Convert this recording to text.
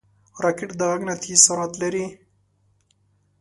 راکټ د غږ نه تېز سرعت لري